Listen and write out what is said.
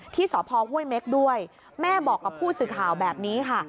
ที่สพห้วยเม็กด้วยแม่บอกกับผู้สื่อข่าวแบบนี้ค่ะ